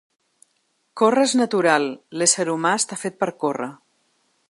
Córrer és natural, l’ésser humà està fet per córrer.